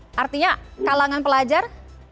oke artinya kalangan pelajar